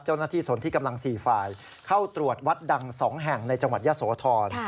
สนที่กำลัง๔ฝ่ายเข้าตรวจวัดดัง๒แห่งในจังหวัดยะโสธร